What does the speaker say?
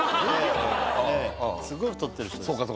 すごい太ってる人です